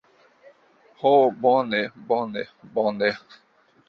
Ho, bone, bone, bone.